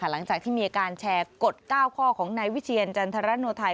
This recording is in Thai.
หลังจากที่มีการแชร์กฎ๙ข้อของนายวิเชียรจันทรโนไทย